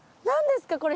何ですか？